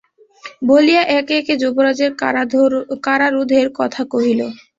বলিয়া একে একে যুবরাজের কারারোধের কথা কহিল।